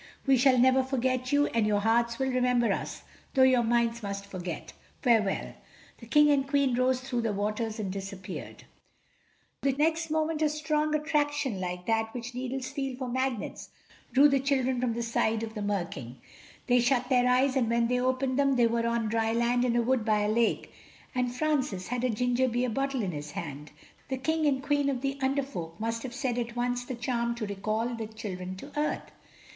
We shall never forget you, and your hearts will remember us, though your minds must forget. Farewell." The King and Queen rose through the waters and disappeared. Next moment a strong attraction like that which needles feel for magnets drew the children from the side of the Mer King. They shut their eyes, and when they opened them they were on dry land in a wood by a lake—and Francis had a ginger beer bottle in his hand. The King and Queen of the Under Folk must have said at once the charm to recall the children to earth.